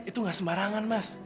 itu nggak sembarangan mas